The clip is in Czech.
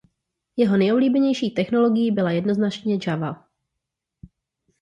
Jeho nejoblíbenější technologií byla jednoznačně Java.